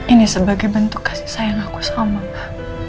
ini sebagai bentuk kasih sayang aku sama mama